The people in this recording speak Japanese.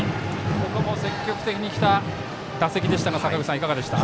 ここも積極的にきた打席でしたがいかがでした？